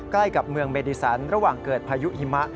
ใกล้กับเมืองเมดิสันระหว่างเกิดพายุหิมะ